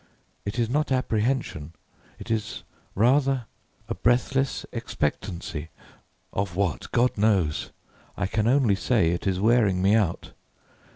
It is not apprehension, it is rather a breathless expectancy of what, God knows! I can only say it is wearing me out.